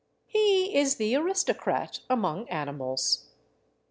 He is the aristocrat among animals.